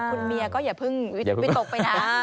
คุณเมียก็อย่าเพิ่งวิตกไปนะ